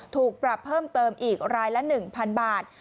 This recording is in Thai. ถูกปรับเพิ่มเติมอีกรายละ๑๐๐๐บาท